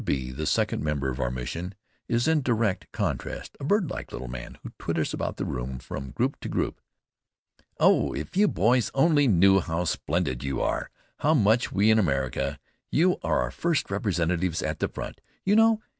B., the second member of the mission, is in direct contrast, a birdlike little man, who twitters about the room, from group to group. "Oh! If you boys only knew how splendid you are! How much we in America You are our first representatives at the front, you know.